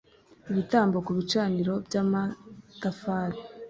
ibitambo ku bicaniro by amatafari